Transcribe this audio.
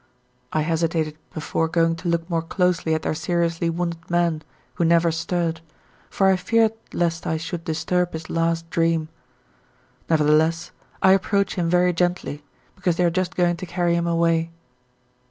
I hesitated before going to look more closely at their seriously wounded man who never stirred, for I feared lest I should disturb his last dream. Nevertheless I approach him very gently, because they are just going to carry him away.